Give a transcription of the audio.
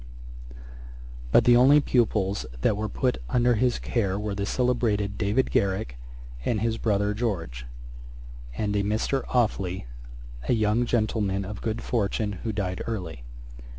But the only pupils that were put under his care were the celebrated David Garrick and his brother George, and a Mr. Offely, a young gentleman of good fortune who died early.